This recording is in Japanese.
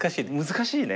難しいね。